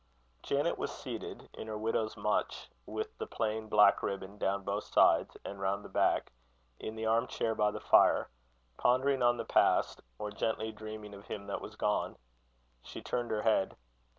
Janet was seated in her widow's mutch, with the plain black ribbon down both sides, and round the back in the arm chair by the fire, pondering on the past, or gently dreaming of him that was gone. She turned her head.